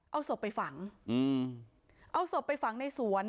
เอาศพไปฝังเอาศพไปฝังในสวน